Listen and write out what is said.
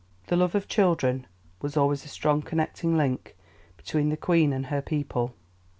The love of children was always a strong connecting link between the Queen and her people.